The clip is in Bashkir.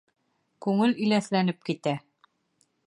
Күңел иләҫләнеп китә!